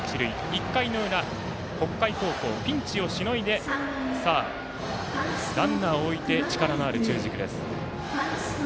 １回の裏、北海高校ピンチをしのいでランナーを置いて力のある中軸。